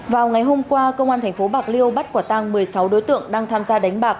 vào ngày hôm qua công an tp bạc liêu bắt quả tăng một mươi sáu đối tượng đang tham gia đánh bạc